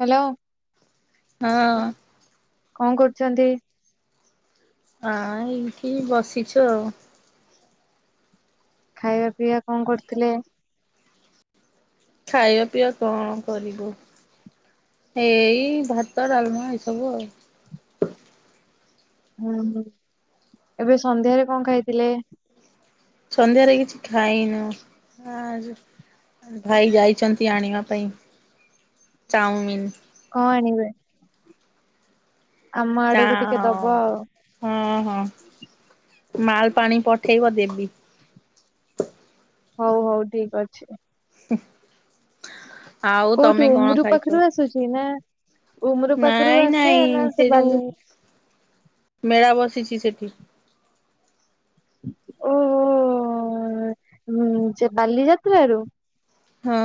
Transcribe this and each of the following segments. Hello କଣ କରୁଚନ୍ତି? ହଁ ଏଇଠି ବସିଛୁ ଆଉ। ଖାଇବା ପିଇବା କଣ କରୁଥିଲେ? ଖାଇବା ପିଇବା କଣ କରିବୁ? ଏଇ ଭାତ ଡାଲମା ଏସବୁ ଆଉ। ଉଁ ହୁଁ ଏବେ ସନ୍ଧ୍ୟାରେ କଣ ଖାଇଥିଲେ? ସନ୍ଧ୍ୟାରେ କିଛି ଖାଇନୁ ଆ ଭାଇ ଯାଇଛନ୍ତି ଆଣିବା ପାଇଁ ଚାଉଁମିିନ। କଣ ଆଣିବେ? ଆମ ଚା ଆଡକୁ ଟିକେ ଦବ ଅଁ ଆଉ। ହଁ ହଁ ମାଲ ପାଣି ପକେଇ କେଇବ ଦେବୀ। ହଉ ହଉ ଠିକ ଅଛି। ଆଉ କୋଉଠୁ ତମେ କଣ ଉମରୁ ଖାଇଛ? ପାଖରୁ ଆସୁଛି ନା ଉମରୁ ପାଖରୁ ନାଇଁ ଆସେ ନା ନାଇଁ ସେ ଜଉ ବାଲି ମେଳା ବସ୍ ଛି ଛି ସେଠି। ଓହୋ ସେ ବାଲି ଯାତ୍ରାରୁ। ହଁ।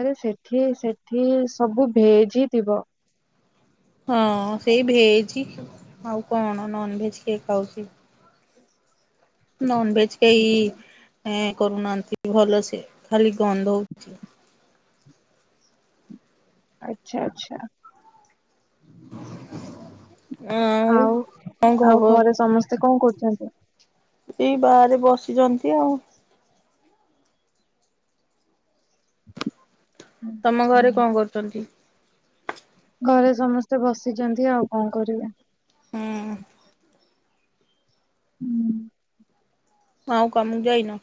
ଆରେ ସେଠି ସେଠି ସବୁ ଭେଜ ହି ଥିବ। ହଁ ସେଇ ଭେଜ ଆଉ କଣ ନନ ଭେଜ କେ ଖାଉଛି? ନନ ଭେଜ କେହି ଏଁ କରୁନାହାନ୍ତି ଭଲସେ ଖାଲି ଗନ୍ଧ ହଉଛି। ଆଛା ଆଛା। ଆଉ କଣ ଆଉ ଖବର ଘରେ ସମସ୍ତେ କଣ କରୁଛନ୍ତି? ଏଇ ବାଆରେ ବସିଛନ୍ତି ଆଉ। ତମ ଘରେ କଣ କରୁଛନ୍ତି? ଘରେ ସମସ୍ତେ ବସିଛନ୍ତି ଆଉ କଣ କରିବେ? ହୁଁ ହୁଁ। ଆଉ କାମକୁ ଯାଇନ।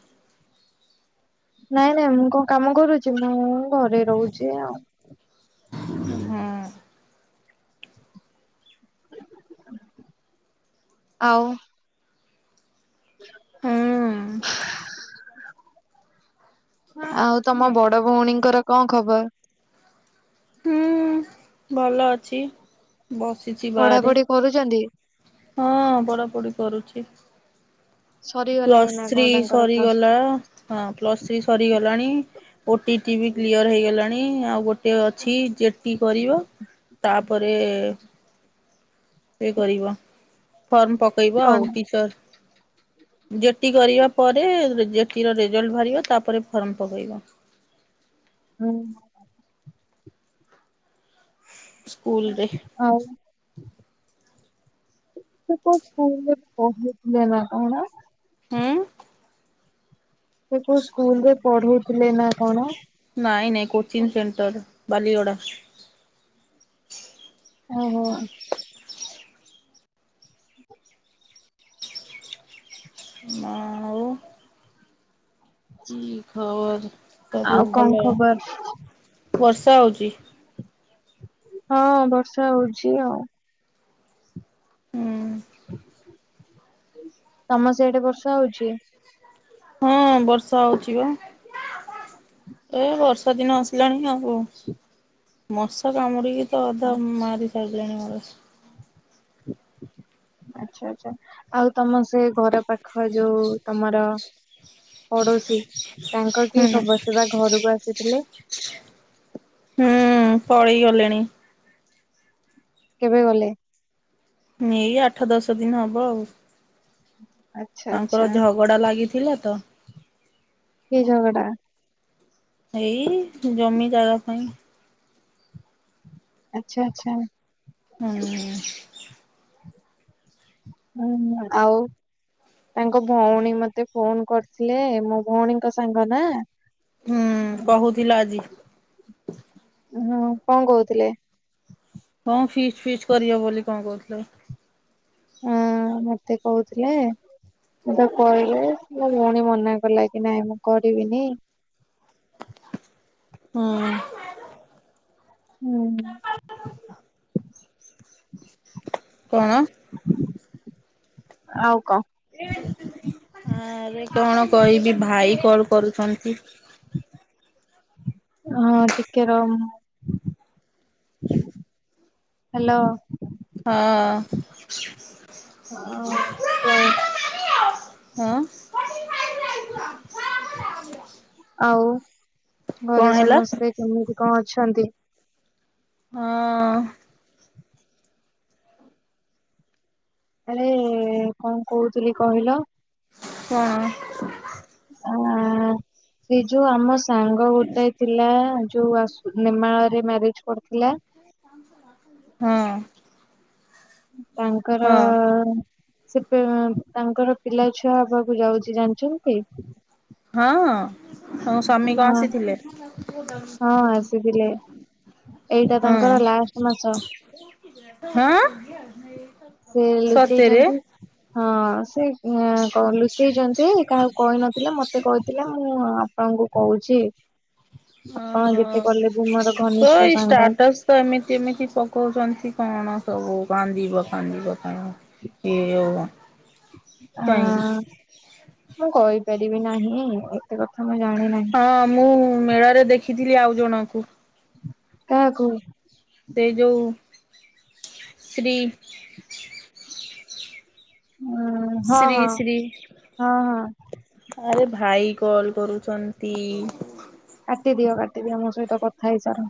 ନାଇଁ ନାଇଁ ମୁଁ କଣ କାମ କରୁଛି ମୁଁ ଘରେ ରହୁଛି ଆଉ। ହୁଁ। ଆଉ। ହୁଁ [inaudible] ଆଉ ତମ ବଡ ଭଉଣୀଙ୍କର କଣ ଖବର? ହୁଁ ଭଲ ଅଛି। ବସିଛି ବାହାରେ ପଢାପଢି କରୁଛନ୍ତି? ହଁ ପଢାପଢି କରୁଛି। ସରିଗଲାଣି ପ୍ଲସ୍ ନା ଥ୍ରୀ କଣ ତାଙ୍କର ପ୍ଲସ୍ ଟୁ? ସରିଗଲା ହଁ ପ୍ଲସ ଥ୍ରୀ ସରିଗଲାଣି। ଓଟି ଟି ବି କ୍ଲିୟର ହେଇଗଲାଣି ଆଉ ଗୋଟେ ଅଛି ଜେଟି କରିବ। ତାପରେ। ଇ କରିବ ଫର୍ମ ପକେଇବ ଆଉ କଣ? ଟିଚର୍। ଜେଟି କରିବା ପରେ ଜେଟି ର ରେଜଲ୍ଟ ବାହାରିବ ତାପରେ ଫର୍ମ ପକେଇବ। ହଁ। ସ୍କୁଲରେ ଆଉ [unintelligible] ହଁ। ସେ କୋଉ ସ୍କୁଲ ରେ ପଢୁଥିଲେ ନା କଣ? ନାଇଁ ନହିଁ କୋଚିଂ ସେଣ୍ଟରରେ ବାଲିଓଡା। ଓହୋ। ନାଉ। କି ଖବର ସବୁ ଆଉ କଣ ଭଲ ଖବର? ବର୍ଷା ହଉଚି? ହଁ ବର୍ଷା ହଉଛି ଆଉ। ହୁଁ। ତମ ସେଡେ ବର୍ଷା ହଉଛି? ହଁ ବର୍ଷା ହଉଛି ବା। ଏ ବର୍ଷା ଦିନ ଆସିଲାଣି ଆଉ ମଶା କାମୁଡିକି ତ ଅଧା ମାରିସାଇଲେଣି ମୋର। [inaudible] ଆଚ୍ଛା ଆଛା ଆଉ ତମ ସେ ଘର ପାଖ ଯୋଉ ତମର ପଡୋଶୀ ତାଙ୍କ କି ହୁଁ ଖବର ସେବା ଘରକୁ ଆସିଥିଲେ? ହୁଁ ହୁଁ ପଳେଇ ଗଲେଣି। କେବେ ଗଲେ? ଏଇ ଆଠ ଦଶ ଦିନ ହବ ଆଉ। ହୁଁ। ତାଙ୍କର ଝଗଡା ଲାଗିଥିଲା ତ। କି ଝଗଡା? ଏଇ ଜମି ଜାଗା ପାଇଁ। ଆଚ୍ଛା ଆଚ୍ଛା। ହୁଁ। ହୁଁ ଆଉ। ତାଙ୍କ ଭଉଣୀ ମତେ ଫୋନ କରିଥିଲେ ମୋ ଭଉଣୀଙ୍କ ସାଙ୍ଗ ନା। ହୁଁ କହୁଥିଲ ଆଜି। ହୁଁ କଣ କହୁଥିଲେ? ହଁ ଫୀଷ୍ଟି ଫିସ୍ କରିବେ ବୋଲି କଣ କହୁଥିଲ? ହଁ ମତେ କହୁଥିଲେ? ମତେ କହିଲେ ମୋ ଭଉଣୀ ମନା କଲା କି ନାଇଁ ମୁଁ କରିବିନି। ହୁଁ। ଉଁ ହୁଁ। କଣ? ଆଉ କଁ? ଆରେ କଣ କହିବି ଭାଇ କଲ କରୁଛନ୍ତି। ହଁ ଟିକେ ର ମୁ ହ୍ୟାଲୋ। ହଁ। କଣ? ଆଁ। [unintelligible] ଆଉ କଣ ଘରେ ହେଲା ସମସ୍ତେ କେମିତି କଣ ଅ ଅଛନ୍ତି? ହଁ। ଆରେ କଣ କହୁଥିଲି କହିଲ,? କଣ? ହ ସେ ଯୋଉ ଆମ ସାଙ୍ଗ ଗୋଟେ ଥିଲା ଯୋଉ ଆସେ ନେମାଳରେ ମ୍ୟାରେଜ କରିଥିଲା। ହଁ। ତାଙ୍କର ହଁ ସେ ପେ ତାଙ୍କର ପିଲା ଛୁଆ ହେବାକୁ ଯାଉଛି ଜାଣିଛନ୍ତି? ହଁ। ତାଙ୍କ ହଁ ସ୍ୱାମୀ କନ ଆସିଥିଲେ? ଏଇଟା ତାଙ୍କର ହଁ ଲାଷ୍ଟ ମାସ। ହଁ ସେ ସତରେ ଲୁଚେଇଛନ୍ତି ହଁ। ସେ ଲୁଚେଇଛନ୍ତି କାହାକୁ କହିନଥିଲେ ମତେ କହିଥିଲେ ମୁଁ ଆପଣଙ୍କୁ କହୁଛି ଆପଣ ଓହୋ, ଯେତେ କଲେ ବି ମୋର ତ ଘନିଷ୍ଠ ଏଇ ସାଙ୍ଗ। ଷ୍ଟାଟସ ତ ଏମିତି ଏମିତି ପକଉଛନ୍ତି। କଣ ସବୁ କାନ୍ଦିବ କାନ୍ଦିବ କଣ ଏ ହଁ ମୁଁ କହିପାରିବି ନାହିଁ। କଥା ମୁଁ ଜାଣି ନାହିଁ ହଁ ମୁଁ ମେଳାରେ ଦେଖିଥିଲି ଆଉ ଜଣଙ୍କୁ, କାହାକୁ? ସେ ଯୋଉ ଶ୍ରୀ। ହୁଁ ହଁ ଶ୍ରୀ ହଁ ଶ୍ରୀ ହଁ ହଁ ଆଉ ଭାଇ କଲ୍ କରୁଚନ୍ତି କାଟିଦିଅ କାଟିଦିଅ ମୋ ସହିତ କଥା ହେଇସାର।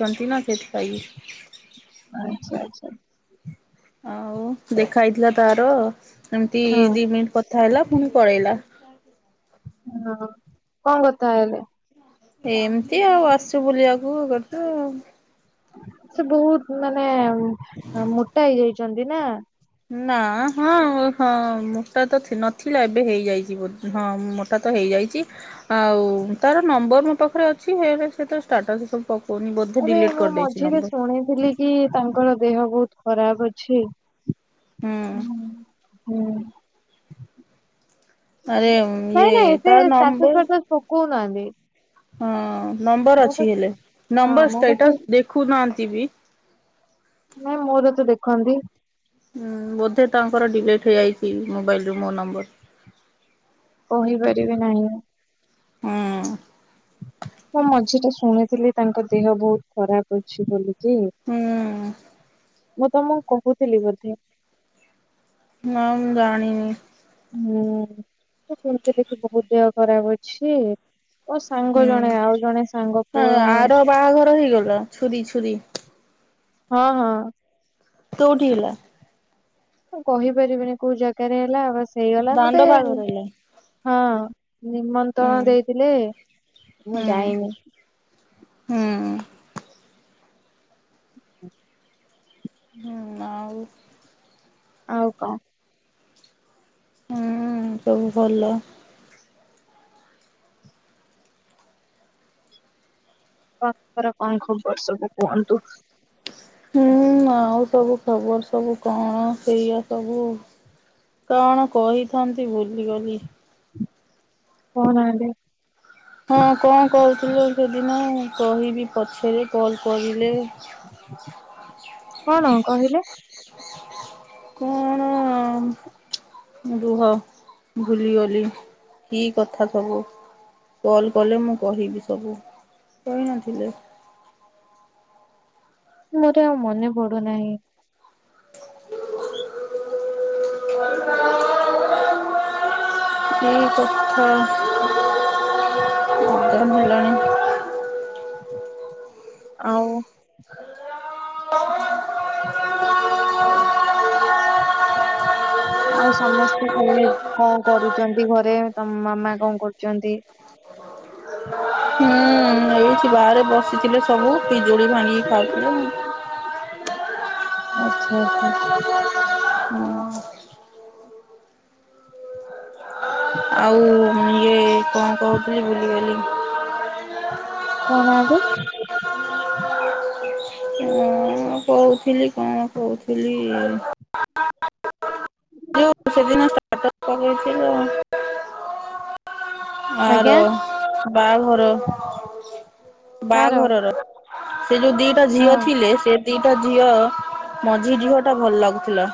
ଅଛନ୍ତି ନା ସେଥିପାଇ। ଆଛା ଆଛା। ଆଉ ଦେଖା ହେଇଥିଲା ତାର ଏମିତି ହଁ ଦି ମିନିଟ୍ କଥା ହେଲା ପୁଣି ପଳେଇଲା। ହଁ କଣ କଥା ହେଲେ? ଏମିତି ଆଉ ଆସିଛୁ ବୁଲିବାକୁ ସେ ବହୁତ ମାନେ ମୋଟା ହେଇଯାଇଛନ୍ତି ନା? ନା ହଁ ହଁ ମୋଟା ତ ନଥିଲା ଏବେ ହେଇଯାଇଛି ହଁ ମୋଟା ତ ହେଇଛି। ଆଉ ତାର ନମ୍ବର ମୋ ପାଖରେ ଅଛି ହେଲେ ଷ୍ଟାଟସ୍ ପକଉନି ବୋଧେ ଆରେ ଡିଲିଟ୍ ମୁଁ କରିଦେଇଛି ମଝିରେ ନମ୍ବର। ଶୁଣିଥିଲି କି ତାଙ୍କର ଦେହ ବହୁତ ଖରାପ ଅଛି? ହୁଁ ଉଁ ହୁଁ ଆରେ ଇଏ ନାଇଁ ନାଇଁ ତା ସେ ଷ୍ଟାଟସ୍ ନମ୍ବର ଫାଷ୍ଟସ ପକଉ ନାହାନ୍ତି। ହଁ ନମ୍ବର ଅଛି, ହେଲେ ହଁ ନମ୍ବର ମୋ ପାଖରେ ଷ୍ଟେଟସ ଦେଖୁନାହାନ୍ତି ବି। ନାଇଁ ମୋର ତ ଦେଖନ୍ତି। ଉଁ ବୋଧେ ତାଙ୍କର ଡିଲିଟ୍ ହେଇଯାଇଛି ମୋବାଇଲ ରୁ ମୋ ନମ୍ବର। କହିପାରିବି ନାହିଁ। ହୁଁ ମୁଁ ମଝିରେ ଶୁଣିଥିଲି ତାଙ୍କ ଦେହ ବହୁତ ଖରାପ ଅଛି ବୋଲି। ହ ହୁଁ ମୁଁ ତମ, କହୁଥିଲି ବୋଧେ? ନା ମୁଁ ଜାଣିନି। ହୁଁ, ମୁଁ ଶୁଣିଥିଲି କି ବହୁତ ଦେହ ଖରାପ ଅଛି ଓ ସାଙ୍ଗ ହୁଁ ଜଣେ ଆଉ ଜଣେ ସାଙ୍ଗ ପୁଅ ଆର ବାହାଘର ହେଇଗଲା ଛୁରୀ ଛୁରୀ। ହଁ ହଁ କୋଉଠି ହେଲା? ମୁଁ କହିପାରିବିନି କୋଉ ଜାଗାରେ ହେଲା ବା ସେଇଗଲା ମତେ ଦାଣ୍ଡ ବାହାଘର ହେଲା। ହଁ ନିମନ୍ତ୍ରଣ ହୁଁ ଦେଇଥିଲେ, ମୁଁ ଯାଇନି। ହୁଁ ହୁଁ ଆଉ ଆଉ କ ହୁଁ ସବୁ ଭଲ [unintelligible] କଣ ଖବର ସବୁ କୁହନ୍ତୁ? ହୁଁ ଆଉ ସବୁ ଖବର ସବୁ କଣ ସେଇଆ ସବୁ କଣ କହିଥାନ୍ତି ଭୁଲିଗଲି। କହୁନାହାନ୍ତି। ହଁ କଣ କହୁଥିଲେ ସେଦିନ, କହିବି ପଛରେ କଲ କରିଲେ? କଣ କହିଲ? କଣ ରୁହ, ଭୁଲିଗଲି କି କଥା ସବୁ କଲ୍ କଲେ ମୁଁ କହିବି ସବୁ, କହିନଥିଲେ? ମୋର ଆଉ ମନେ ପଡୁନାହିଁ। ଏହି କଥାଧ୍ୟମ ହେଲାଣି ଆଉ। [unintelligible] ଆଉ ସମସ୍ତେ କେମିତି କଣ କରୁଛନ୍ତି ଘରେ ତମ ମାମା କଣ କରୁଛନ୍ତି। [inaudible] ହୁଁ। କିଛି ବାହାରେ ବସିଥିଲେ ସବୁ ପିଜୁଳି ଭାଙ୍ଗିକି ଖାଉଥିଲେ। ଆଚ୍ଛା ଆଚ୍ଛା। ଆଉ ଇଏ କଣ କହୁଥିଲି ବୁଲିଗଲି। କଁ ଗାଉଁକୁ। ମୁ କହୁଥିଲି କଣ କହୁଥିଲି। ସେ ଦିନ [inaudible] ଆର ଆଜ୍ଞା ବାହାଘର କାର ବାହାଘରର। ସେ ଯୋଉ ଦିଟା ହଁ। ଝିଅ ଥିଲେ ସେ ଦିଟା ଝିଅ। ମଝି ଝିଅ ଟା ଭଲ ଲାଗୁଥିଲା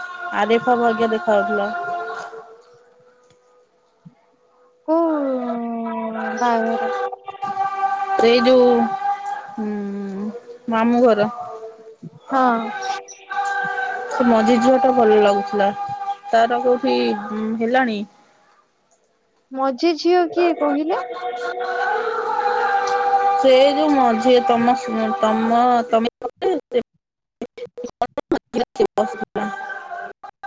ଆରେଫା ଭାଗା ଦେଖାଯାଉଥିଲା। [inaudible] କୋଉ ବାହାଘର। ଏଇ ଯୋଉ ମାମଁ ଘର। ହଁ। ସେ ମଝେ ଝିଅ ଟା ଭଲ ଲାଗୁଥିଲା। ତାର କୋଉଠି ହେଲାଣି। ମଝେ ଝିଅ କିଏ କହିଲେ। ସେ ଯୋଉ ମଝି ତମ ତମ ତମ [unintelligible]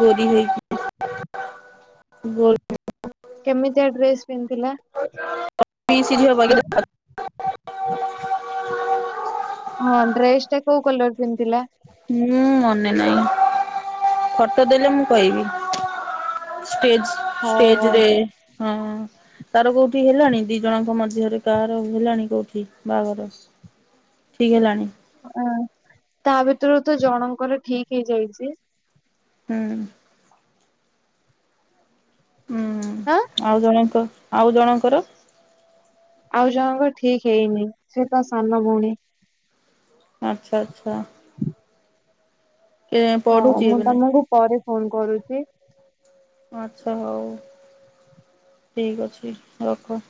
ଗୋରୀ ହେଇକି ଗୋ କେମିତିଆ ଡ୍ରେସ ପିନ୍ଧିଥିଲା। ପିସି ଝିଅ ପରିକା ଦେଖାଯାଉଥିଲା। ହଁ ଡ୍ରେସ ଟା କୋଉ କଲର କେମିତିଥିଲା। ହୁଁ ମନେ ନାହିଁ ଫଟୋ ଦେଲେ ମୁଁ କହିବି। ଷ୍ଟେଜ ହଉ ଷ୍ଟେଜ ହଉ ରେ ଠିକ ହଁ। ତାର କୋଉଠି ହେଲାଣି ଦି ଜଣଙ୍କ ମଧ୍ୟରେ କାହାର ହେଲାଣି କୋଉଠି ବାହାଘର। ଠିକ୍ ହେଲାଣି। ହଁ ତା ଭିତରୁ ତ ଜଣଙ୍କର ଠିକ ହେଇଯାଇଛି। ହୁଁ। ହୁଁ ଆଁ ଆଉ ଜଣଙ୍କ ଆଉ ଜଣଙ୍କର। ଆଉ ଜଣଙ୍କ ଠିକ ହେଇନି ସେ ତା ସାନ ଭଉଣୀ। ଆଚ୍ଛା ଆଚ୍ଛା। ଏ ହଁ ପଢୁଛି ମୁଁ ଏବେ ନା ତମକୁ ପରେ ଫୋନ କରୁଛି। ଆଚ୍ଛା ହଉ ଠିକ ଅଛି ରଖ।